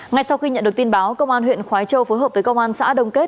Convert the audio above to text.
ngay sau khi nhận được tin báo công an huyện khói châu phối hợp với công an xã đông kết